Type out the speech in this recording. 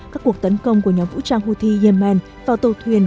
các cuộc tấn công của nhóm vũ trang houthi yemen vào tàu thuyền